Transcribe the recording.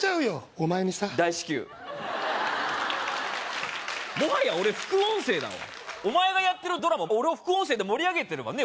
お前にさ大至急もはや俺副音声だわお前がやってるドラマ俺の副音声で盛り上げてればね